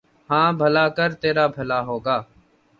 ہاں بھلا کر ترا بھلا ہوگا